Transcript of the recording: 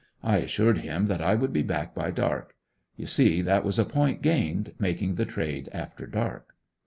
I assured him that I would be back by dark. You see, that was a point gained, making the trade after dark.